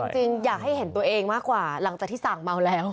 จริงอยากให้เห็นตัวเองมากกว่าหลังจากที่สั่งเมาแล้ว